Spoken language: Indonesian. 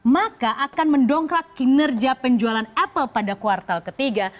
maka akan mendongkrak kinerja penjualan apple pada kuartal ketiga